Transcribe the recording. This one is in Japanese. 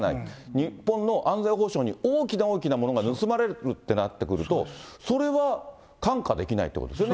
日本の安全保障に大きな大きなものが盗まれるってなってくると、それは看過できないってことですよね。